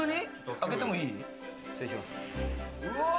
開けてもいい？